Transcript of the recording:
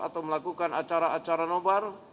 atau melakukan acara acara nobar